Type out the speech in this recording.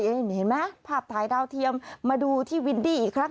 เห็นไหมภาพถ่ายดาวเทียมมาดูที่วินดี้อีกครั้ง